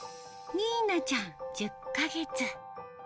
ニーナちゃん１０か月。